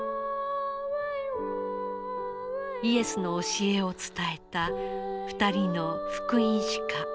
イエスの教えを伝えた２人の福音史家。